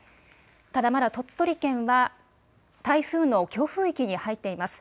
ただ、まだ鳥取県は台風の強風域に入っています。